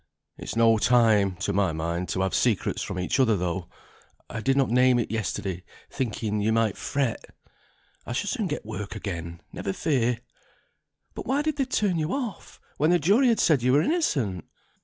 It's no time (to my mind) to have secrets from each other, though I did not name it yesterday, thinking you might fret. I shall soon get work again, never fear." "But why did they turn you off, when the jury had said you were innocent?"